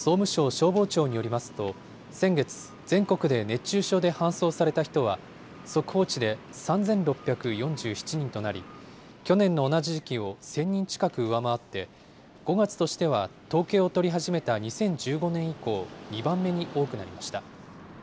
消防庁によりますと、先月、全国で熱中症で搬送された人は速報値で３６４７人となり、去年の同じ時期を１０００人近く上回って、５月としては統計を取り始めた２０１５年以降、２番目に多くなりました。